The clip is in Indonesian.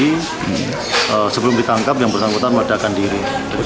jadi sebelum ditangkap yang bertanggutan meledakan diri